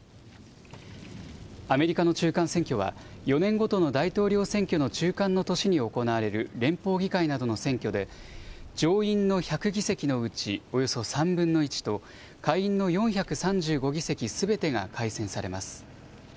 アメリカの中間選挙は、４年ごとの大統領選挙の中間の年に行われる連邦議会などの選挙で、上院の１００議席のうちおよそ３分の１と、下院の４３５議席すべてが改選されます。